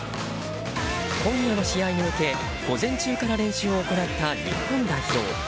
今夜の試合に向け午前中から試合を行った日本代表。